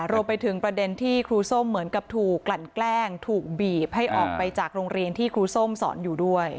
รวมไปถึงประเด็นที่ครูส้มเหมือนกับถูกกลั่นแกล้งถูกบีบให้ออกไปจากโรงเรียนที่ครูส้มสอนอยู่ด้วย